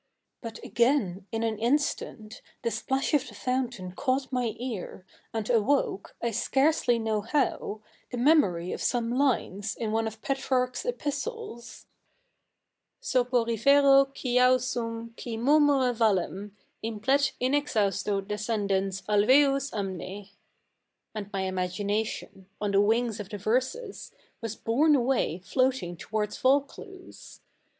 But again, in an instant, the CH. ii] THE NEAV REPUBLIC 143 splash of the fountain caught my ear, and awoke, I scarcely know how, the memory of some lines in one of Petrarch's Epistles — Soporifero ciausam qui murmurc vallem Implet inexhausto descendens alveus amne — and my imagination, on the wings of the verses, was borne away floating towards Vaucluse.